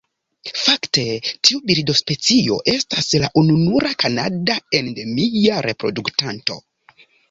Fakte tiu birdospecio estas la ununura kanada endemia reproduktanto.